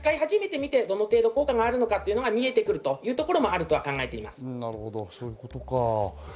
使い始めてみてどの程度、効果があるのかが見えてくるというところもあると考えています。